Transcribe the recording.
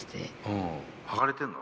剥がれてるの？